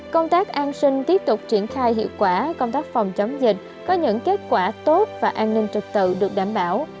công tác an sinh tiếp tục triển khai hiệu quả công tác phòng chống dịch có những kết quả tốt và an ninh trật tự được đảm bảo